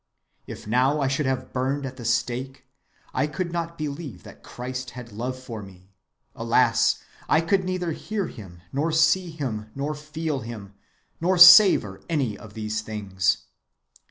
If now I should have burned at the stake, I could not believe that Christ had love for me; alas, I could neither hear him, nor see him, nor feel him, nor savor any of his things.